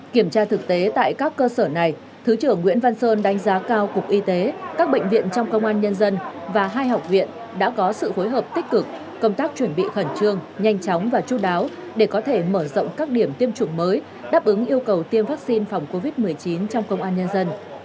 kiểm tra thực tế tại các cơ sở này thứ trưởng nguyễn văn sơn đánh giá cao cục y tế các bệnh viện trong công an nhân dân và hai học viện đã có sự phối hợp tích cực công tác chuẩn bị khẩn trương nhanh chóng và chú đáo để có thể mở rộng các điểm tiêm chủng mới đáp ứng yêu cầu tiêm vaccine phòng covid một mươi chín trong công an nhân dân